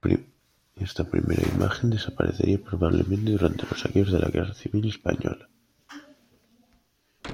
Esta primera imagen desaparecería probablemente durante los saqueos de la Guerra civil española.